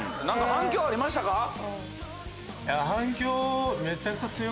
何か反響ありましたか？